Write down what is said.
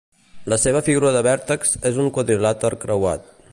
La seva figura de vèrtex és un quadrilàter creuat.